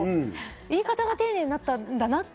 言い方が丁寧になったんだなって。